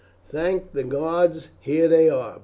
"Thank the gods, here they are!"